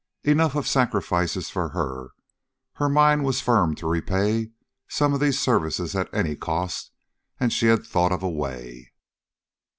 Enough of sacrifices for her; her mind was firm to repay some of these services at any cost, and she had thought of a way.